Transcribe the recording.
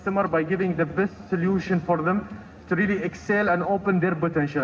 dan memberikan mereka solusi terbaik untuk berkembang dan membuka potensi mereka